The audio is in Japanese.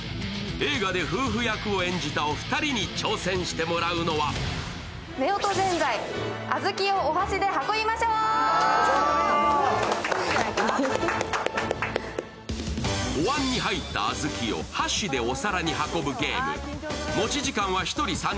映画で夫婦役を演じたお二人に挑戦してもらうのはおわんに入った小豆を箸でお皿に運ぶゲーム。